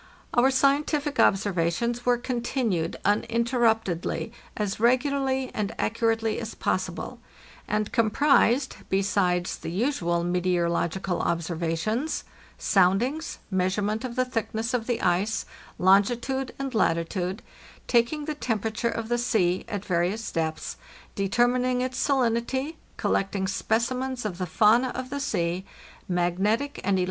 Our scientific observations were continued uninterruptedly, as regu larly and accurately as possible, and comprised, besides the usual meteorological observations, soundings, measurement of the thickness of the ice, longitude and latitude, taking the tem perature of the sea at various depths, determining its salinity, collecting specimens of the fauna of the sea, magnetic and elec trical observations, and so forth.